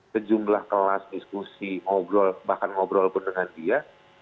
sejumlah kelas diskusi ngobrol bahkan ngobrol pun dengan dia